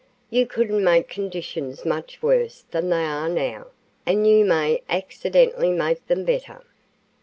"You couldn't make conditions much worse than they are now, and you may accidentally make them better."